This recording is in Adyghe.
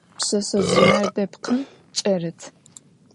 Pşseşsezjıêr depkhım ç'erıt.